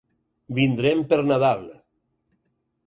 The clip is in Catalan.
Vindrem per Nadal.